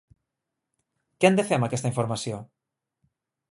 Què han de fer amb aquesta informació?